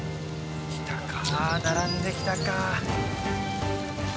きたかあ並んできたか。